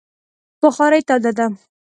بخارۍ توده ده